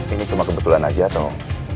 ini cuma kebetulan aja atau